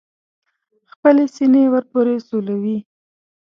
خپلې سینې ور پورې سولوي.